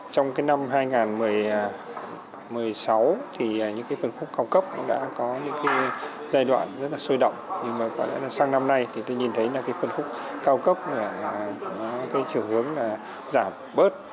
trong cái năm hai nghìn một mươi sáu thì những cái phân khúc cao cấp cũng đã có những cái giai đoạn rất là sôi động nhưng mà có lẽ là sang năm nay thì tôi nhìn thấy là cái phân khúc cao cấp có cái chiều hướng là giảm bớt